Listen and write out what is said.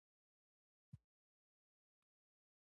ازادي راډیو د مالي پالیسي په اړه د ښځو غږ ته ځای ورکړی.